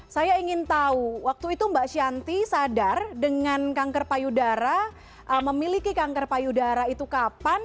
saya ingin tahu waktu itu mbak shanti sadar dengan kanker payudara memiliki kanker payudara itu kapan